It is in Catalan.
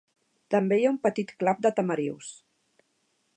També hi ha un petit clap de tamarius.